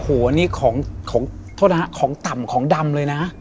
อันนี้ของต่ำของดำเลยนะ